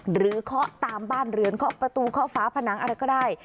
เคาะตามบ้านเรือนเคาะประตูเคาะฝาผนังอะไรก็ได้